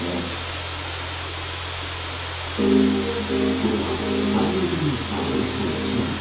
これは俳優デビューからおよそ１年。